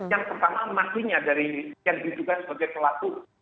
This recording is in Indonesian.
yang pertama makinnya dari yang dihitungkan sebagai pelaku